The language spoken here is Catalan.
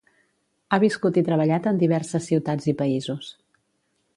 Ha viscut i treballat en diverses ciutats i països.